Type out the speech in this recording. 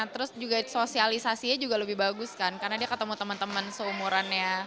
terus juga sosialisasinya juga lebih bagus kan karena dia ketemu teman teman seumurannya